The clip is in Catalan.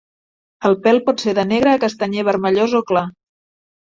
El pèl pot ser de negre a castanyer vermellós o clar.